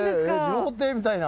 料亭みたいな。